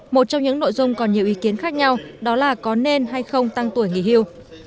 một trong những nội dung còn nhiều ý kiến khác nhau đó là có nên hay không tăng tuổi nghỉ hưu